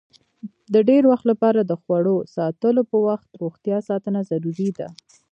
د ډېر وخت لپاره د خوړو ساتلو په وخت روغتیا ساتنه ضروري ده.